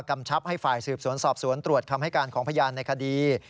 ชับให้ฝ่ายสืบสวนสอบสวนตรวจคำให้การของพยานในคดี